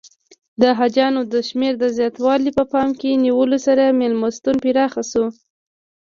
د حاجیانو د شمېر د زیاتوالي په پام کې نیولو سره میلمستون پراخ شو.